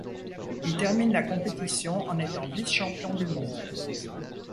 Il termine la compétition en étant vice-champion du monde.